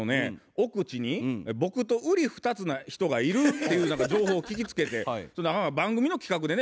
奥地に僕とうり二つな人がいるっていう何か情報を聞きつけてそれで番組の企画でね